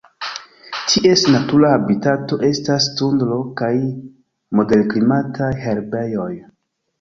Ties natura habitato estas tundro kaj moderklimataj herbejoj.